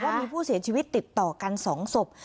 แหละว่ามีผู้เสียชีวิตติดต่อกันสองศพ